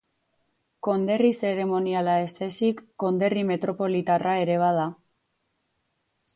Konderri zeremoniala ez ezik, konderri metropolitarra ere bada.